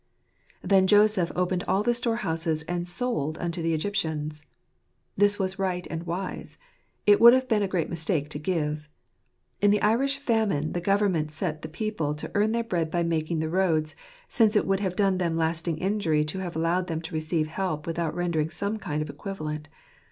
"Then Joseph opened all the storehouses and sold unto the Egyptians." This was right and wise. It would have been a great mistake to give. In the Irish famine the Government set the people to earn their bread by making the roads, since it would have done them lasting injury to have allowed them to receive help without rendering some kind of equivalent.